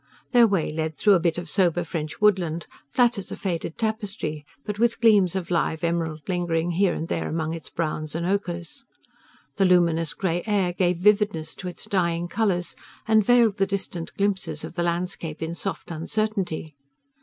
Their way led through a bit of sober French woodland, flat as a faded tapestry, but with gleams of live emerald lingering here and there among its browns and ochres. The luminous grey air gave vividness to its dying colours, and veiled the distant glimpses of the landscape in soft uncertainty.